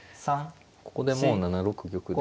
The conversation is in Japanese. ここでもう７六玉で。